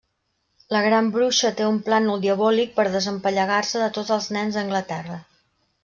La Gran Bruixa té un plànol diabòlic per desempallegar-se de tots els nens a Anglaterra.